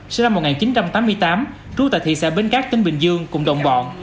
sinh năm một nghìn chín trăm tám mươi tám trú tại thị xã bến cát tỉnh bình dương cùng đồng bọn